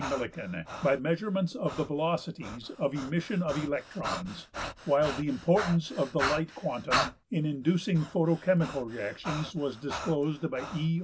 ~Millikan, by measurements of the velocities of emission of electrons(33), while the importance of the light quantum in inducing photochemical reactions was disclosed by E.